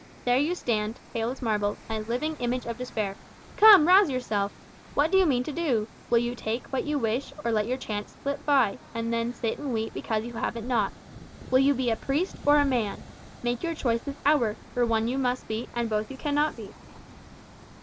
There you stand, pale as marble, a living image of despair. Come, rouse yourself! What do you mean to do? Will you take what you wish, or let your chance slip by, and then sit and weep because you have it not? Will you be a priest or a man? Make your choice this hour, for one you must be, and both you cannot be."